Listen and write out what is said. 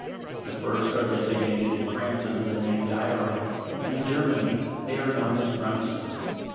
The first are designated in France under the name of di'orite, and in Germany they are known as grunstein.